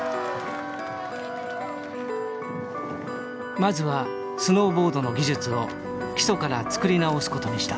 まずはスノーボードの技術を基礎から作り直すことにした。